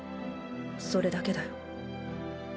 それだけだよ。